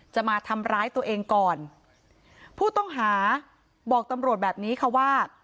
จะมาทำร้ายตัวเองก่อนผู้ต้องหาบอกตำรวจแบบนี้ค่ะว่า